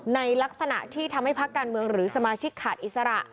ในลักษณะที่ทำให้พักการเมืองหรือสมาชิกขาดอิสระ